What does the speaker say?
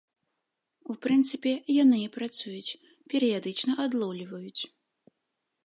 У прынцыпе, яны і працуюць, перыядычна адлоўліваюць.